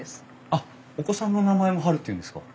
あっお子さんの名前もハルっていうんですか？